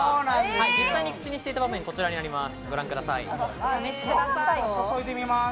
実際に口にしていた場面はこちらになります。